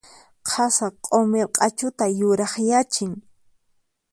Qasa q'umir q'achuta yurakyachin.